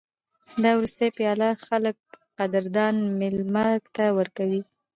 دا وروستۍ پیاله خلک قدردان مېلمه ته ورکوي.